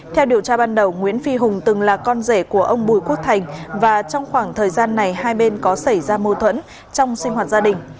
theo điều tra ban đầu nguyễn phi hùng từng là con rể của ông bùi quốc thành và trong khoảng thời gian này hai bên có xảy ra mâu thuẫn trong sinh hoạt gia đình